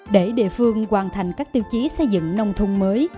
để địa phương hoàn thành các tiêu chí xây dựng nông thôn mới